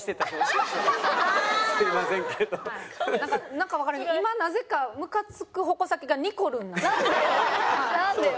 なんかわからへん今なぜかムカつく矛先がにこるんなんですよ。